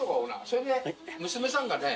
１）それで娘さんがね。